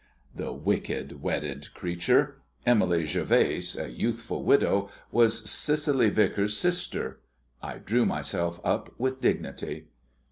The wicked, wedded creature! Emily Gervase, a youthful widow, was Cicely Vicars's sister. I drew myself up with dignity.